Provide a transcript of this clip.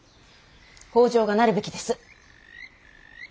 北条がなるべきです。